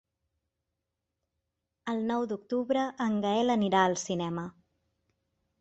El nou d'octubre en Gaël anirà al cinema.